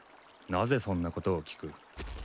なぜそんなことを聞く？